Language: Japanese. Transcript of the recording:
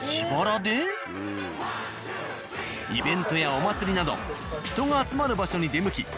イベントやお祭りなど人が集まる場所に出向き